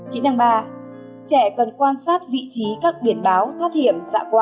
kỹ năng ba trẻ cần quan sát vị trí các biển báo thoát hiểm dạ qua